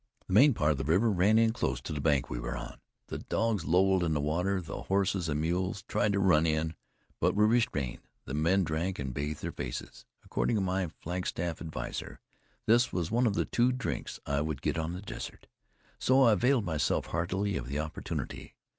The main part of the river ran in close to the bank we were on. The dogs lolled in the water; the horses and mules tried to run in, but were restrained; the men drank, and bathed their faces. According to my Flagstaff adviser, this was one of the two drinks I would get on the desert, so I availed myself heartily of the opportunity.